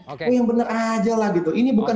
oh yang benar aja lah gitu ini bukan